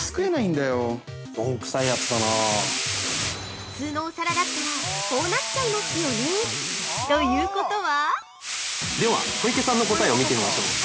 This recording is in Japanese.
◆普通のお皿だったらこうなっちゃいますよね？ということは？